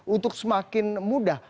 untuk semakin mudah